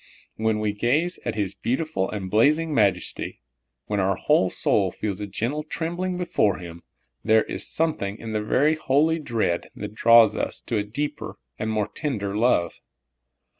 When we gaze at His beautiful and blazing majesty, when our whole soul feels a gentle 24 SOUL FOOD. trembling before Him, there is something in the very holy dread that draws us to a deeper and more tender love.